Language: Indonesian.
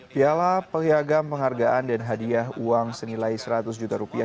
piala peliagam penghargaan dan hadiah uang senilai seratus juta rupiah